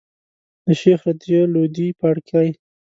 د شيخ رضی لودي پاړکی.